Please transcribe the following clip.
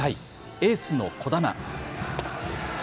エースの小玉。